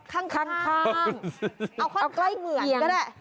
ข้างเอาข้างเหมือนก็ได้